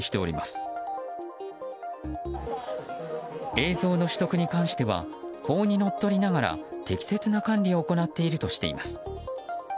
映像の取得に関しては法にのっとりながら適切な管理を行っているとしています。